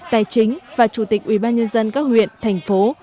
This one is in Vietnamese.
tài chính và chủ tịch ủy ban nhân dân các huyện thành phố